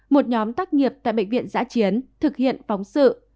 một nhóm tác nghiệp tại bệnh viện giã chiến thực hiện phóng sự